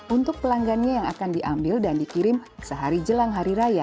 untuk pelanggannya yang akan diambil dan dikirim sehari jelang hari raya